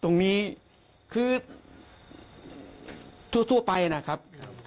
ตรงนี้คือทั่วไปนะครับ